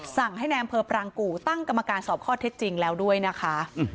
สั่งให้ในอำเภอปรางกู่ตั้งกรรมการสอบข้อเท็จจริงแล้วด้วยนะคะ